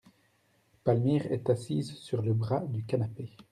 Palmyre est assise sur le bras du canapé.